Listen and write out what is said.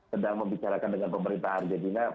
sedang membicarakan dengan pemerintah argentina